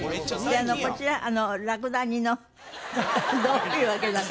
こちららくだ似のどういうわけだか。